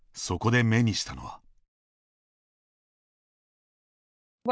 そこで目にしたのは。